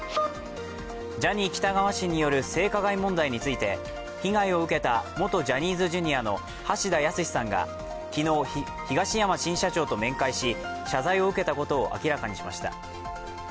ジャニー喜多川氏による性加害問題について被害を受けた元ジャニーズＪｒ．の橋田康さんが昨日、東山新社長と面会し謝罪を受けたことを明らかにしました。